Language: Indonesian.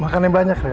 makan yang banyak rena